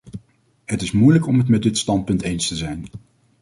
Het is moeilijk om het met dit standpunt eens te zijn.